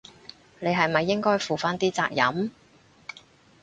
你係咪應該負返啲責任？